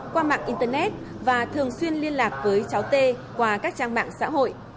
qua mạng internet và thường xuyên liên lạc với cháu tê qua các trang mạng xã hội